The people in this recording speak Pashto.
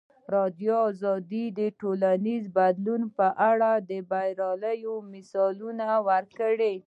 ازادي راډیو د ټولنیز بدلون په اړه د بریاوو مثالونه ورکړي.